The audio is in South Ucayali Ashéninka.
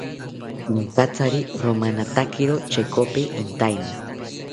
Pinkatsari romanatakiro chekopi intaeni